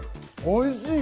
おいしい！